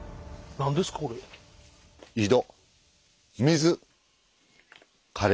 何ですか？